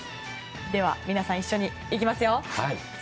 では皆さん、一緒にいきますよ。